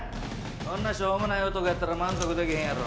こんなしょうもない男やったら満足できへんやろ。